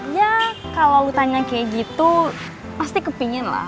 ya kalau lo tanya kayak gitu pasti kepikirin lah